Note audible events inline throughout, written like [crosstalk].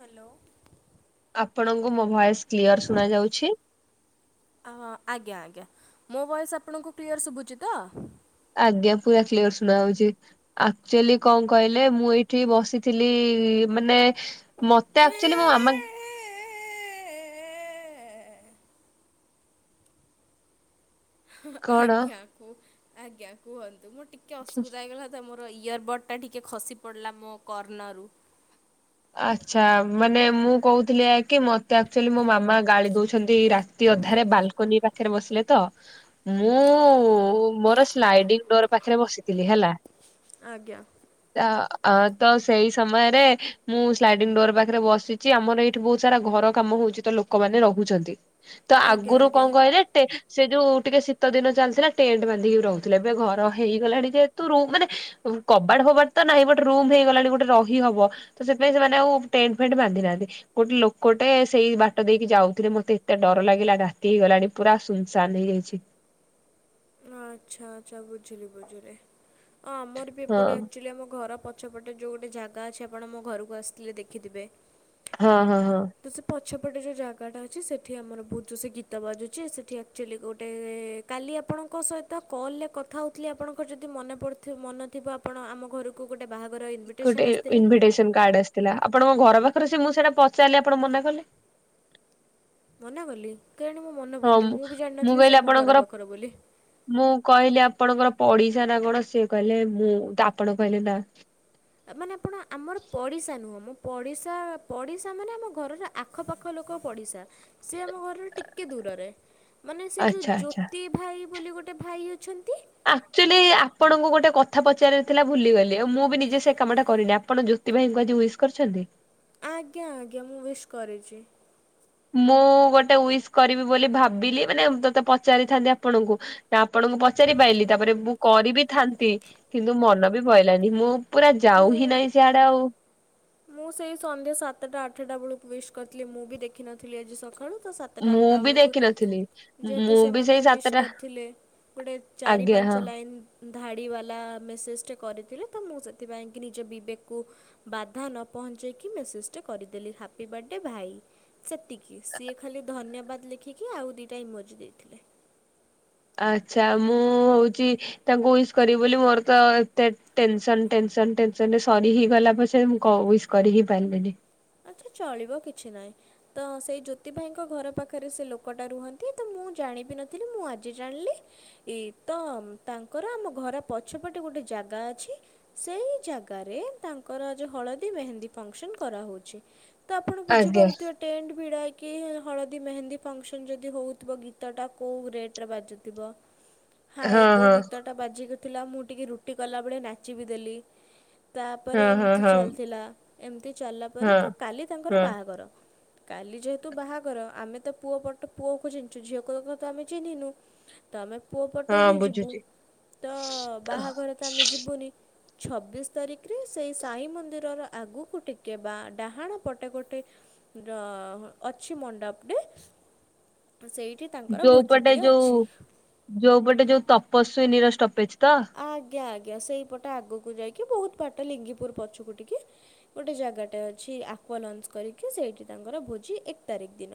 Hello! ଆପଣଙ୍କୁ ମୋ voice clear ଶୁଣା ଯାଉଛି? ଆ- ହଁ ଆଜ୍ଞା ଆଜ୍ଞା, ମୋ ଭଏସ ଆପଣଙ୍କୁ କ୍ଲିଅର ଶୁଭୁଛି ତ? ଆଜ୍ଞା, ପୁରା କ୍ଲିୟର ଶୁଣା ହଉଛି। ଆକ୍ଚୁଆଲି କଣ କହିଲେ ମୁଁ ଏଇଠି ବସିଥିଲି ଲି। ମାନେ ମତେ ଆକ୍ଚୁଆଲି ମୋ ମାମାଙ୍କ କଣ ଆଜ୍ଞା, ଆଜ୍ଞା କୁହନ୍ତୁ, ମୁଁ ଟିକେ ଅସୁବିଧା ହେଇଗଲା ତ ମୋ ମୋ ଇୟରବଡ଼୍ଟା ଟିକିେ ଖସି ପଡ଼ିଲା, ମୋ କର୍ଣ୍ଣରୁ। ଆଚ୍ଛା, ମାନେ ମୁଁ କହୁଥିଲି କି ମତେ ଆକ୍ଚୁଆଲି ମୋ ମାମା ଗାଳି ଦଉଛନ୍ତି, ରାତି ଅଧାରେ ବାଲ୍କନି ପାଖରେ ବସିଲେ ତ, ମୁଁ ମୋର ସ୍ଲାଇଡି ଡୋର ପାଖେ ରେ ବସିଥିଲି ହେଲା। ଆଜ୍ଞା, ଅ ଅ ତ ସେଇ ସମୟରେ ମୁଁ ସ୍ଲାଇଡି ଡୋର ପାଖରେ ବସିଛି, ଆମର ଏଇଠି ବହୁତ ସାରା ଘର କାମ ହଉଛି, ତ ଲୋକମାନେ ରହୁଛନ୍ତି। ତ ଆଜ୍ଞା ଆଗରୁ ଆଜ୍ଞା କଣ କହିଲେ? ଟେ ସେ ଯୋଉ ଟିକେ ଶୀତ ଦିନ ଚାଲିଥିଲା ଟେଣ୍ଟ ବାନ୍ଧିକି ରହୁଥିଲେ, ଏବେ ଘର ହେଇଗଲାଣି ଯେହେତୁ ରୁ ମାନେ କବାଡ ଫବାଡ଼ ତ ନାହିଁ, ବଟ! ରୁମ୍ ହେଇଗଲାଣି ଗୋଟେ ରହି ହବ। ତ ସେଥିପାଇଁ ସେମାନେ ଆଉ ଟେଣ୍ଟ ଫେଣ୍ଟ ବାନ୍ଧି ନାହାଁନ୍ତି। ଗୋଟେ ଲୋକଟେ ସେଇ ବାଟ ଦେଇକି ଯାଉଥିଲେ, ମତେ ଏତେ ଡର ର ଲାଗିଲା ରାତି ହେଇଗଲାଣି ପୁରା ସୁନ୍ ସାନ୍ ହେଇଯାଇଛି। ନା, ଆଚ୍ଛା ଆଛା, ବୁଝିଲି ବୁଝିଲି! ଆ-ଆମର ବି ହଁ ଏପଟେ ଆକ୍ଚୁଲି ଆମ ଘରପଛ ପଛପଟ ଯେଉଁ ଗୋଟେ ଜାଗା ଅଛି। ଆପଣ ମୋ ଘରକୁ ଆସିଥିଲେ ଦେଖିଥିବେ? ହଁ ହଁ ହଁ, ତ ସେ ପଛପଟେ ଯଉଁ ଜାଗାଟା ଅଛି, ସେଠି ଆମର ବହୁତ ଜୋସେ ସେ ଗୀତ ବାଜୁଛି, ସେଠି ଆକ୍ଚୁଆଲି ଗୋଟେ ଏ-ଏ କାଲି ଆପ୍ ଆପଣଙ୍କ ସହିତ କଲ ରେ କଥା ହଉଥିଲି ଆପଣଙ୍କର ଯଦି ମନେ ପଡିଥିବ ମନ ଥିବ ଆପଣ ଆମ ଘରକୁ ଗୋଟେ ବାହାଘର ଇନଭିଟେସନ୍ କୋଠେ ଆସିଥିଲା ଇନଭିଟେସନ କାର୍ଡ ଆସିଥିଲା। ଆପଣଙ୍କ ଘର ପାଖରେ ସେ ମୁଁ ସେଇଟା ପଚାରିଲି ଆପଣ ମନା କଲେ। ମନା କଲି କେଜାଣି ମୋ ମନେ ହଁ ପଡୁନି, ମୁଁ ବି ଜାଣିିନଥିଲି ସେ କହିଲି ଆମ ଘର ଆପଣଙ୍କର ପାଖରେ ବୋଲି। ମୁଁ କହିଲି ଆପଣଙ୍କର ପଡିସା ନା କଣ ସେ କହିଲେ ମୁଁ ଆପଣ କହିଲେ ନା ମାନେ ଆପଣ ଆମର ପଡିଶା ନୁହଁ, ମୋ ପଡିଶା ମାନେ ଆମ ଘରର ଆଖପାଖ ଲୋ କ ପଡ଼ିଶା ସିଏ ଆମ ଘରର ଟିକେ ଦୂରରେ। ମାନେ ସେ ଯୋଉ ଆଚ୍ଛା ଆଚ୍ଛା ଜ୍ୟୋତି ଭାଇ ବୋଲି ଗୋଟେ ଭାଇ ଅଛନ୍ତି ଆକ୍ଚୁଆଲି ଆପଣଙ୍କୁ ଗୋଟେ କଥା ପଚାରବାର ଥିଲା ଭୁଲିଗଲି ଆ ମୁଁ ବି ନିଜେ ସେ କାମ ଟା କରିନି ଆପଣ ଜ୍ୟୋ ତି ଭାଇଙ୍କୁ ଆଜି ଉଇସ୍ କରିଛନ୍ତି? ଆଜ୍ଞା ଆଜ୍ଞା ମୁଁ ଉଇଶ୍ କରିଚି। ମୁଁ ଗୋଟେ ଉଇସ୍ କରିବି ବୋଲି ଭାବିଲି ମାନେ ତୋତେ ପଚାରିଥାନ୍ତି ଆପଣଙ୍କୁ ନା ଆପଣ ପଚାରି ପାଇଲିି ତାପରେ ମୁଁ କରିିବି ଥାନ୍ତି କିନ୍ତୁ ମନ ବି ପଇଲାନି ମୁଁ ପୁରା ଯାଉ ମୁଁ ହି ନହିଁ ସିଆଡେ ଆଉ ମୁଁ ସେଇ ସନ୍ଧ୍ୟା ସାତଟା ଆଠଟା ବେଳକୁ ୱିଷ୍ କରିଥିଲି ମୁଁ ବି ଦେଖିନଥିଲି ଆଜି ସକାଳୁ ତ ସାତଟା ମୁଁ ଆଠଟା ବି ବେଳକୁ ଦେଖିନଥିଲି ଯେହେତୁ ମୁଁ ସେ ବି ମୋତେ ସେଇ ୱିଶ ସାତଟା କରିଥିଲେ ଗୋଟେ ଚାରି ଆଜ୍ଞା ହଁ ପାଞ୍ଚ ଲାଇନ୍ ଧାଡି ବାଲା ମେସେଜ ଟେ କରିଥିଲେ ତ ମୁଁ ସେଥିପାଇଁ କି ନିଜ ବିବେକକୁ ବାଧା ନ ପହଞ୍ଚାଇକି ମେସେଜ୍ ଟା କରିଦେଲି, ହାପି ବାର୍ଥଡେ ଭାଇ ସେତିକି ସିଏ ଖାଲି ଧନ୍ୟବାଦ ବାଦ ଲେଖିକି ଆଉ ଦିଟା ଇମୋଜି ଦେଇଥିଲେ। ଆଚ୍ଛା ମୁଁ ହଉଚି ତାଙ୍କୁ ଉଇସ୍ କରିବି ବୋଲି ମୋର ତ ଏତେ ଟେନସନ ଟେନସନ ଟେନ୍‌ସନ ରେ ସରିହିଁ ଗଲା ପଛେ ମୁଁ ଉଇସ୍ କରି ହିଁ ପାରିଲିନି। ଆଚ୍ଛା ଚଳିବ କିଛି ନାହିଁ ତ ସେଇ ଜ୍ୟୋତି ଭାଇଙ୍କ ଘର ପାଖରେ ସେ ଲୋକଟା ରୁହନ୍ତି ତ ମୁଁ ଜାଣି ନଥିଲି ମୁଁ ଆଜି ଜାଣିଲି ଇ ତ ତାଙ୍କର ଆମ ଘର ପଛପଟେ ଗୋଟେ ଜାଗା ଅଛି, ସେଇ ଜାଗାରେ ତାଙ୍କର ଆଜି ହଳଦୀ ମେହେନ୍ଦୀ ଫଙ୍କସନ କରାହଉଚି। ତ ଆପଣ ଆଜ୍ଞା ବୁଝିପାରୁଥିବେ ଟେଣ୍ଟ ବିଡ଼ା କି ହଳଦୀ ମେହେନ୍ଦୀ ଫଙ୍କସନ୍ ଯଦି ହଉଥିବ ଗୀତଟା କଉଁ ରେଟ୍ ରେ ବାଜୁଥିବ। ହଁ ହାଇଗୋ ହଁ ଗୀତଟା ବାଜିକି ଥିଲା ମୁଁ ଟିକେ ରୁଟି କଲାବେଳେ ନାଚିବି ଦେଲି। ତାପରେ ହଁ ହଁ ଏମିତି ହଁ ଚାଲିଥିଲା ଏମିତି ଚାଲିଲା ପରେ ହଁ ତ କାଲି ତାଙ୍କର ହଁ ବାହାଘର। କାଲି ଯେହେତୁ ବାହାଘର ଆମେ ତ ପୁଅ ପଟ ପୁଅକୁ ଚିହ୍ନଚୁ, ଝିଅକୁ କଥା ତ ଆମେ ଚିହ୍ନିନୁ ତ ଆମେ ପୁଅପଟେ ହଁ ହିଁ ଯିବୁ ବୁଝୁଛି। ତ ବାହାଘରେ ତ ଆମେ ଯିବୁନି। ଛବିଶ ତାରିଖରେ ସେଇ ସାଇ ମନ୍ଦିରର ଆଗକୁ ଟିକେ ବା ଡାହାଣ ପଟେ ଗୋଟେ ଅ ଅଛି ମଣ୍ଡପଟେ ସେଇଠି ତାଙ୍କର ଯୋଉପଟେ ଭୋଜିଟିଏ ଯୋଉ ଅଛି ଯୋଉପଟେ ଯୋଉ ତପସ୍ୱୀ ନିରଷ୍ଟପେଜ। ଆଜ୍ଞା ଆଜ୍ଞା। ଆଜ୍ଞା ସେଇପଟ ଆଗକୁ ଯାଇକି ବହୁତ ବାଟ ଲିଙ୍ଗିପୁର ପଛକୁ ଟିକି ଗୋଟେ ଜାଗାଟେ ଅଛି। ଆଜ୍ଞା। ନୂଆ ଲଞ୍ଚ କରିକି ସେଇଠି ତାଙ୍କର ଭୋଜି ଏକ ତାରିଖ ଦିନ।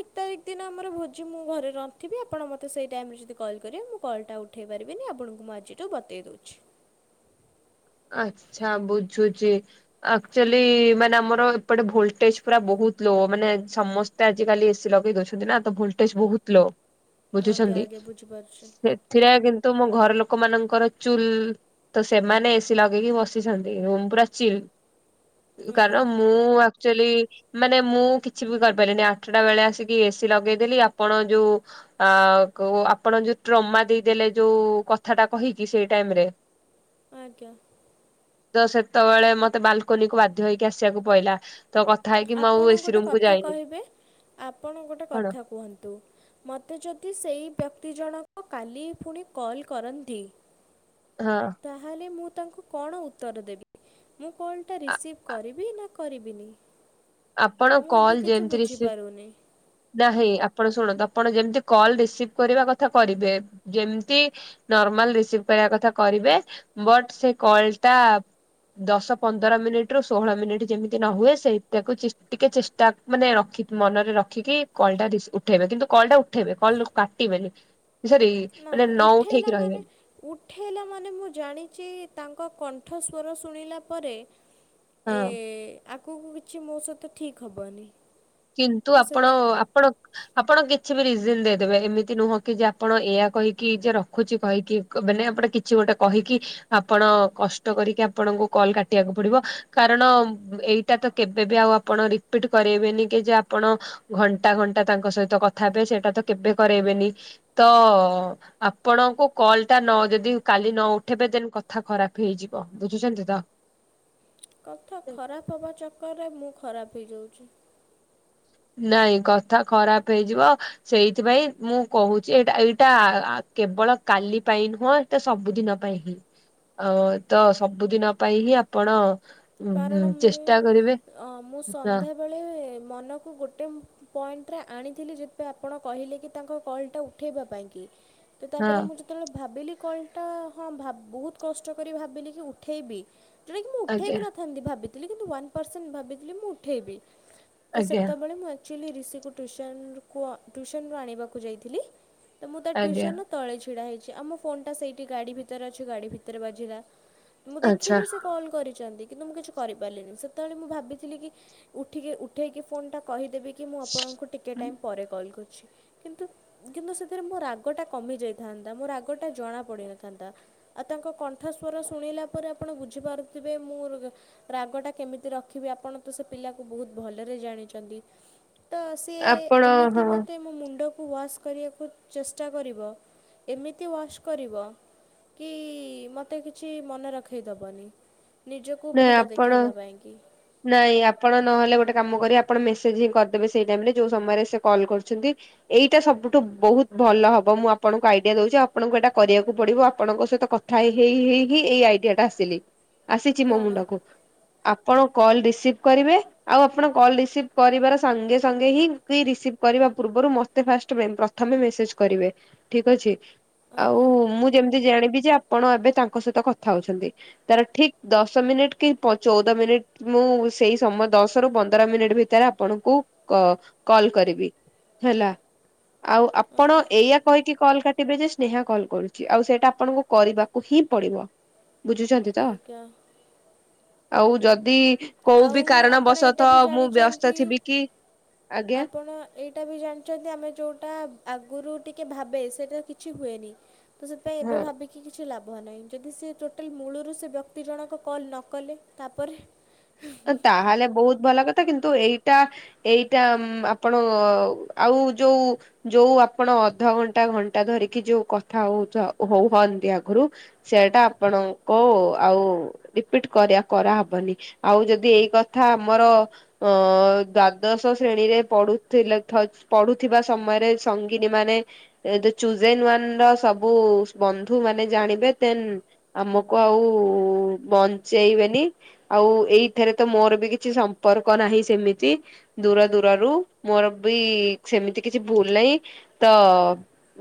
ଏକ ତାରିଖ ଦିନ ଆମର ଭୋଜି ମୁଁ ଘରେ ରନ୍ଥିବି ଆପଣ ମତେ ସେଇ ଟାଇମରେ ଯଦି କଲ କରିବେ କଲ ଟା ଉଠେଇବି। ପାରିବିନି, ଆପଣଙ୍କୁ ମୁଁ ଆଜିଠୁ ବତେଇ ଦଉଚି। ଆଛା ବୁଝୁଚି, ଆକ୍ଚୁଆଲି ମାନେ ଆମର ଏପଟେ ଭୋଲଟେଜ ପୁରା ବହୁତ ଲୋ ମାନେ ସମସ୍ତେ ଆଜିକାଲି ଏସି ଲଗେଇ ଦଉଛନ୍ତି ନା ତ ଭୋଲଟେଜ ବହୁତ ଲୋ। ଆଜ୍ଞା ବୁଝୁଚନ୍ତି ଆଜ୍ଞା ବୁଝିପାରୁଛି ସେଥିରେ କିନ୍ ତୁ ମୋ ଘର ଲୋକ ମାନଙ୍କର ଚୁଲ ତ ସେମାନେ ସି ଲଗେଇକି ବସିଛନ୍ତି ଏବଂ ପୁର ଚ ଆଜ୍ଞା କାରଣ ମୁଁ ଆକ୍ଚୁଅଲି ମାନେ ମୁଁ କିଛି ବି କରିପାରିଲିନି ଆଠଟା ବେଳେ ଆସିକି ଏସି ଲଗେଇଦେଲି ଆପଣ ଯୋଉ ଅ କ ଆପଣ ଯୋଉ ଟ୍ରମା ଦେଇଦେଲେ ଯୋଉ କଥାଟା କହିକି ସେଇ ଟାଇମରେ ଆଜ୍ଞା। ତ ସେତେବେଳେ ମତେ ବାଲକୋନିକୁ ବାଧ୍ୟ ହେଇକି ଆସିବାକୁ ପଡିଲା। ଆପଣ ଗୋଟେ କଥା କହିବେ ଆପଣ ଗୋଟେ କଣ କଥା କୁହନ୍ତୁ। ମତେ ଯଦି ସେଇ ବ୍ୟକ୍ ଜଣକ କାଲି ପୁଣି କଲ୍ କରନ୍ତି ହଁ ଆ ତାହେଲେ ମୁଁ ତାଙ୍କୁ କଣ ଉତ୍ତର ଦେବି ମୁଁ କଲ୍ଟା ଆ ରିସିଭ୍ କରିବି ନା କରିବିନି? ଆପଣ ମୁଁ ଏବେ କଲ କିଛି ଯେମିତି ରିସିଭ୍ ବୁଝିପାରୁନି। ନାହିଁ ଆପଣ ଶୁଣ ଆପଣ ଯେମତି କଲ ରିସିଭ କରିବା କଥା କରିବେ ଯେମତି ନର୍ମାଲ ରିସିଭ କରିବା କଥା କଥା କରିବେ ବଟ୍ ସେ କଲ ଟା ଦଶ ପନ୍ଦର ମିନିଟ ରୁ ଷୋହଳ ମିନିଟ ଯେମିତି ନ ହୁଏ ସେଇ ତାକୁ ଟିକେ ଚେଷ୍ଟା ମାନେ ରଖି ମନରେ ରଖିକି କଳଟା ଉଠେଇବେ କିନ୍ତୁ କଳଟା ଉଠେଇବେ କ କାଟିବେନି ସରି ନା, ମାନେ ନ ଉଠେଇଲା ଉଠେଇକି ମାନେ ରହିବେନି ଉଠେଇଲା ମାନେ ମୁଁ ଜାଣିଚି ତାଙ୍କ ପାଠ ସ୍୍ୱର ଶୁଣିଲା ପରେ। ଏ ହଁ। ଆଗକୁ କିଛି ମୋ ସହିତ ଠିକ୍ ହବନି। କିନ୍ତୁ ତ ଆପଣ ସେଥି ଆପଣ ଆପଣ କେ କିଛି ବି ରିଜନ୍ ଦେଇଦେବେ ଏମିତି ନୁହଁ କି ଯେ ଆପଣ ଏଆ କହିକି ଯେ ରଖୁଛି କହିକି ମାନେ ଆପେ କିଛି ଗୋ ଗୋଟେ କହିକି ଆପଣ କଷ୍ଟ କରିକି ଆପଣଙ୍କୁ କଲ୍ କାଟିବାକୁ ପଡିବ କାରଣ ଏଇ ଏଇଟା ତ କେବେ ବି ଆଉ ଆପଣ ରିପିଟ୍ କରେଇ ବେନି। ଯେ ଆପଣ ଘଣ୍ଟା ଘଣ୍ଟା ତାଙ୍କ ସହିତ କଥା ହବେ ସେଇଟା ତ କେବେ କରେଇବେନି ତ ଓ ଆପଣଙ୍କୁ କଲ୍ ଟା ନ ଯଦି କାଲି ନ ଉଠେଇବେ ଦେନ୍ କଥା ଖରାପ ହେଇଯିବ ବୁଝୁଛନ୍ତି ତ। ହ କଥା ଖରାପ ହବା ଚକର୍ ରେ ମୁଁ ଖରାପ ହେଇଯାଉଛି। ନାଇଁ କଥା ଖରାପ ହେଇଯିବ ସେଇଥିପାଇଁ ମୁଁ କହୁଛି ଏଇଟା ଏଇଟା କେବଳ କାଲି ପାଇଁ ନୁହଁ ଏଟା ସବୁଦିନ ପାଇଁ ହିଁ। ଆ ତ ସବୁଦିନ ପାଇଁ ହି ଆପଣ ଉଁ କାରଣ ମୁଁ ଚେଷ୍ଟା କରିବେ ମୁଁ ହଁ ସନ୍ଧ୍ୟାବେଳେ ମନକୁ ଗୋଟେ ପଏଣ୍ଟରେ ଆଣିଥିଲି ଯେଥିପାଇଁ ଆପଣ କହିଲେ କି ତାଙ୍କ କଲ୍ଟା ଉଠାଇବା ପାଇଁ। ହଁ ତାପରେ ମୁଁ ଯେତେବେଳେ ଭାବିଲି କଲ୍ଟା ହଁ ବହୁତ କଷ୍ଟ କରି ଭାବିଲି କି ଉଠେଇବି। ଯେଉଁଟାକି ମୁଁ ଉଠେଇ ବି ଆଜ୍ଞା। ଭାବିଥିଲି କିନ୍ତୁ ୱାନ ପର୍ସେଣ୍ଟ ଭାବିଥିଲି ମୁଁ ଉଠେଇବି ତ ଆଜ୍ଞା ସେତେବେଳେ ମୁଁଏତ ଆକ୍ଚୁଆଲି ରଋଷିକୁ ଟ୍ୟୁସନକୁ ଟ୍ୟୁସନୁରୁ ଆଣିବାକୁ ଯାଇଥିଲି। ତ ମୁଁ ତା ଆଜ୍ଞା ଟ୍ୟୁସନ ତଳେ ଛିଡ଼ା ହେଇଛି ଆମ ଫୋନ୍ଟା ସେଇଠି ଗାଡ଼ି ଭିତରେ ଅଛି ଗାଡ଼ି ଭିତରେ ବାଜିଲା। ମୁଁ ଆଚ୍ଛା ଦେଖିଲି ସେ କଲ କରିଚନ୍ତି। କିନ୍ତୁ ମୁଁ କିଛି କରିପାରିଲିନି ସେତେବେଳେ ମୁଁ ଭାବିଥିଲି କି ଉଠିକି ଉଠେଇକି ଫୋନଟା କହିଦେବି କି ମୁଁ ଆପଣଙ୍କୁ ଟିକେ ଟାଇମ୍ ପରେ କଲ୍ କରୁଛି। କିନ୍ତୁ କିନ୍ତୁ ସେଥିରେ ମୋ ରାଗଟା କମିଯାଇଥାନ୍ତା ମୋ ରାଗଟା ଜଣାପଡ଼ିିନଥାନ୍ତା ଆଉ ତାଙ୍କ ମୋ କଣ୍ଠସ୍ୱର ଶୁଣିଲା ପରେ ଆପଣ ବୁଝିପାରୁଥିବେ ମୁଁ ରାଗ ଟା କେମିତି ରଖିବି ଆପଣ ତ ସେ ପିଲାକୁ ବହୁତ ଭଲରେ ଜାଣିଚନ୍ତି। ତ ସିଏ ଆପଣ ଏମିତି ହଁ ମୋତେ ମୋ ମୁଣ୍ଡ କୁ ୱାଶ୍ କରିବାକୁ ଚେଷ୍ଟା କରିବ ଏମିତି ୱାଶ୍ କରିବ। କି ମତେ କିଛି ମନ ରଖେଇଦବନି ନି ଖୁବ୍ ନାଇଁ ଭଲ ଆପଣ ଦେଖେଇବା ପାଇଁକି। ନାଇଁ ଆପଣ ନହେଲେ ଗୋଟେ କାମ କରିବେ ଆପଣ ମେସେଜ ହିଁ କରିଦେବେ ସେଇ ଟାଇମ ରେ ଯୋଉ ସମୟରେ ସେ କଲ୍ କରୁଛନ୍ତି। ଏଇଟା ସବୁଠୁ ବହୁତ ଭଲ ହବ ମୁଁ ଆପଣଙ୍କୁ ଆଇଡିଆ ଦଉଛି ଆପଣଙ୍କୁ ଏଇଟା କରିବାକୁ ପଡିବ ଆପଣଙ୍କ ସହିତ କଥା କଥା ହେଇ ହେଇ ହେଇ ହିଁ ଏଇ ଆଇଡିଆ ଟା ଆସିଲି ଆସିଛି ମୋ କ'ଣ ମୁଣ୍ଡକୁ ଆପଣ କଲ୍ ରିସିଭ କରିବେ ଆଉ ଆପଣ କଲ ରିସିଭ୍ କରିବାର ସାଙ୍ଗେ ସଙ୍ଗେ ହିଁ କି ରିସିଭ୍ କରିବା ପୂର୍ବ ରୁ ମତେ ଫାଷ୍ଟ ପ୍ରଥମେ ମେସେଜ କରିବେ ଠିକ୍ ଅଛି। ଆଉଁ ଆଜ୍ଞା ମୁଁ ଯେମିତି ଜାଣିବି ଯେ ଆପଣ ଏବେ ତାଙ୍କ ସହିତ କଥା ହଉଛନ୍ତି ତାର ଠିକ୍ ଦଶ ମିନିଟ୍ କି ପ-ଚଉଦ ମିନିଟ୍ ମୁଁ ସେଇ ସମୟ ଦଶ ରୁ ପନ୍ଦର ମିନିଟ୍ ଭିତରେ ଆପଣଙ୍କୁ କ- କଲ୍ କରିବି। ହେଲା ଆଉ ଆପଣ ଆଜ୍ଞା ଏଇଆ କହିି କି କଲ୍ କାଟିବେ ଯେ ସ୍ନେହା କଲ୍ କରୁଛି, ଆଉ ସେଇଟା ଆପଣଙ୍କୁ କରିବାକୁ ହିଁ ପଡିବ? ବୁଝୁଛନ୍ତି ତ ଆଜ୍ଞା ଆଉ, ଯଦି କୋଉ ଆଉ ବି କାରଣ ଆପଣ ଏଇଟା ବସତଃ ବି ମୁଁ ଜାଣିଛନ୍ତି ବ୍ୟସ୍ତ ଥିବି କି? ଆଜ୍ଞା ଆପଣ ଏଇଟା ବି ଜାଣିଛନ୍ତି ଆମେ ଯୋଉଟା ଆ ଆଗୁରୁ ଟିକେ ଭାବେ ସେଇଟା କିଛି ହୁଏନି ତ ସେଥିପାଇଁ ହଁ। ଏବେ ଭାବିକି କିଛି ଲାଭ। ଲାଭ ନାହିଁ ଯଦି ସେ ଟୋଟାଲ ମୂଳରୁ ସେ ବ୍ୟକ୍ତି ଜଣକ କଲ୍ ନ କଲେ ତାପରେ ତାହେଲେ ବହୁତ ଭଲ କଥା। କିନ୍ତୁ ଏଇଟା ଏଇଟା ଉଁ ଆପଣ ଆଉ ଯୋଉ ଯୋଉ ଆପଣ ଅଧଘଣ୍ଟା ଘଣ୍ଟା ଧରିକି ଯୋଉ କଥା ହଉଥାଆ ହୁଅନ୍ତି, ଆଗରୁ ସେଟା ଆପଣ କ ଆଉ ରିପିଟ କରିଆ କରାହବନି ଆଉ ଯଦି ଏଇ କଥା ଆମର ଅ ଦ୍ଵାଦଶ ଶ୍ରେଣୀରେ ପଢୁଥିଲେ ଥଜ ପଢୁଥିବା ସମୟରେ ସଙ୍ଗୀନୀ ମାନେ ଦି ଚୁଜେନ ୱାନ ର ସବୁ ବନ୍ଧୁ ମାନେ ଜାଣିବେ ଦେନ ଆମକୁ ଆଉ ବଞ୍ଚେଇବେନି ଆଉ ଏଇଥିରେ ତ ମୋର ବି କିଛି ସମ୍ପର୍କ ନାହିଁ, ସେମିତି ଦୂର ଦୂରରୁ ମୋର ବି ସେମିତି କିଛି ଭୁଲ ନାହିଁ ତ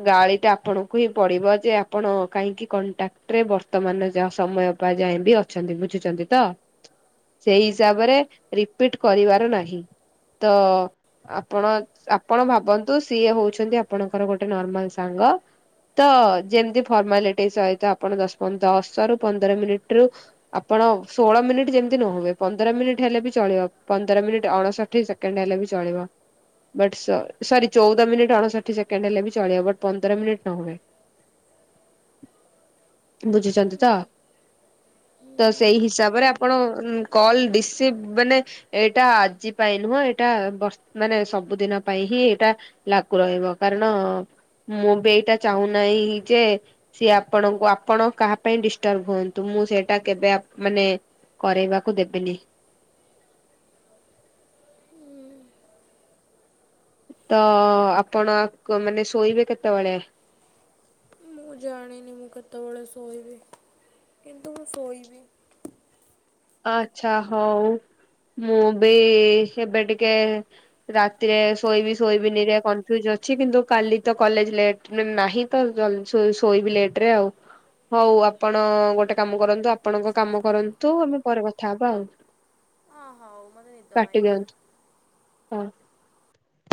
ଗାଳି ଟା ଆପଣଙ୍କୁ ହିଁ ପଡିବ ଯେ ଆପଣ କାହିଁକି କଣ୍ଟାକ୍ଟରେ ବର୍ତ୍ତମାନ ଯା ସମୟ ଯାଏବି ଅଛନ୍ତି ବୁଝୁଛନ୍ତି ତ? ସେଇ ହିସାବରେ ରିପିଟ କରିବାର ନାହିଁ ତ ଆପଣ ଆପଣ ଭାବନ୍ତୁ ସିଏ ହଉଛନ୍ତି, ଆପଣଙ୍କର ଗୋଟେ ନର୍ମାଲ ସାଙ୍ଗ ତ ଯେମତି ଫର୍ମାଲିଟି ସହିତ ଆପଣ ଦଶ ପନ୍ଦ ଦଶ ରୁ ପନ୍ଦର ମିନିଟ ରୁ ଆପଣ ହଉ ଷୋଳ ମିନିଟ ଯେମିତି ନ ହୁଏ ପନ୍ଦର ମିନିଟ ହେଲେ ବି ଚଳିବ ପନ୍ଦର ମିନିଟ ଅଣଷଠି ସେକେଣ୍ଡ ହେଲେ ବି ଚଳିବ ବଟ୍ ସ ସରି ଚଉଦ ମିନିଟ୍ ଅଣଷଠି ସେକେଣ୍ଡ ହେଲେ ବି ଚଳିବ ବଟ ପନ୍ଦର ମିନିଟ୍ ନ ହୁଏ [inaudible] ବୁଝୁଛନ୍ତି ତ ତ ସେଇ ହିସାବରେ ଆପଣ କଲ ରସିଭ ମାନେ ଏଇଟା ଆଜି ପାଇଁ ନୁହଁ ଏଇଟା ବଷ ମାନେ ସବୁଦିନ ପାଇଁ ହିଁ ଏଇଟା ଲାଗୁ ରହିବ କାରଣ ମୁଁ ବି ଏଇଟା ଚାହୁଁନାହିଁ ଯେ, ସିଏ ଆପଣଙ୍କୁ ଆପଣ କାହା ପାଇଁ ଡିଷ୍ଟର୍ବ ହୁଅନ୍ତୁ ମୁଁ ମୁଁ ସେଇଟା କେବେ ଆପ ମାନେ କରୋଇବାକୁ ଦେବିନି ତ ଆପଣ କ ମାନେ ଶୋଇବେ କେତେବେଳେ? ମୁଁ ଜାଣିନି ମୁଁ କେତେବେଳେ ଶୋଇବି କିନ୍ତୁ ମୁଁ ଶୋଇବି। ଆଛା ହଉ। ମୁଁ ବି ଏବେ ଟିକେ ରାତିରେ ଶୋଇବି ଶୋଇବିି କନଫଜନ ଅ କିନ୍ତୁ କାଲି ତ କଲେଜ ଲଟ ନାହିଁ ତ ଶୋଇବି ଲେଟରେ ଆଉ। ହଉ ଆପଣ ଗୋଟେ କାମ କରନ୍ତୁ ଆପଣଙ୍କ କାମ କରନ୍ତୁ ଆମ ପର କଥା ହବା ଆଉ କାଟି ଦିଅନ୍ତୁ। ହଁ।